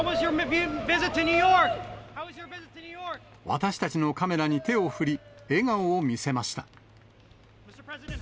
私たちのカメラに手を振り、笑顔を見せました。